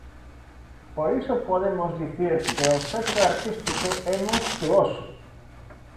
Por iso podemos dicir que o obxecto artístico é monstruoso.